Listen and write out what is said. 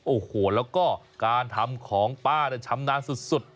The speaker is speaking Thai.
โอ้โหแล้วก็การทำของป้าชำนาญสุด